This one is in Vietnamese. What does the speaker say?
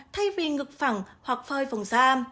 thay vì ngực phẳng hoặc phơi phòng da